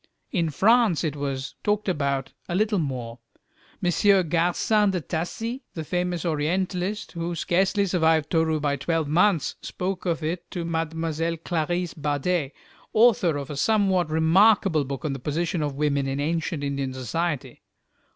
In France it was talked about a little more. M. Garcin de Tassy, the famous Orientalist, who scarcely survived Toru by twelve months, spoke of it to Mlle. Clarisse Bader, author of a somewhat remarkable book on the position of women in ancient Indian society.